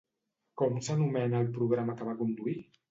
Com s'anomena el programa que va conduir?